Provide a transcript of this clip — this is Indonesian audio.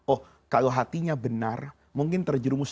oh kalau hatinya benar mungkin terjerumus